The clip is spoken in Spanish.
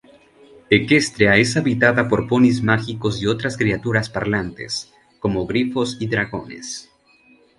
Equestria es habitada por ponis mágicos y otras criaturas parlantes, como grifos y dragones.